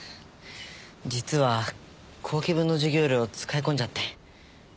実は後期分の授業料使い込んじゃって。